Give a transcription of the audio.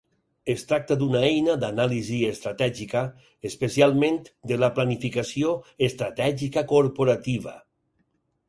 Es tracta d'una eina d'anàlisi estratègica, específicament de la planificació estratègica corporativa.